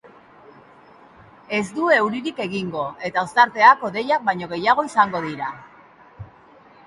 Ez du euririk egingo, eta ostarteak hodeiak baino gehiago izango dira.